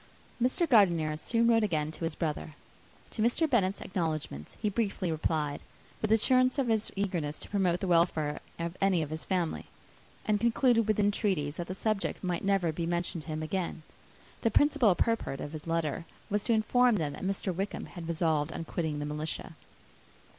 Mr. Gardiner soon wrote again to his brother. To Mr. Bennet's acknowledgments he briefly replied, with assurances of his eagerness to promote the welfare of any of his family; and concluded with entreaties that the subject might never be mentioned to him again. The principal purport of his letter was to inform them, that Mr. Wickham had resolved on quitting the militia.